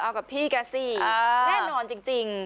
เอ้อเอากับพี่กันกันสิ